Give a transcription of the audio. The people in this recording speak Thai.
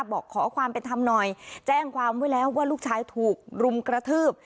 บอกขอความเป็นธรรมหน่อยแจ้งความไว้แล้วว่าลูกชายถูกรุมกระทืบ